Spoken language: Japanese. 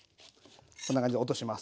こんな感じで落とします。